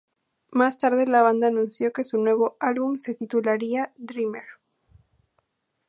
Más tarde la banda anunció que su nuevo álbum se titularía "Dreamer".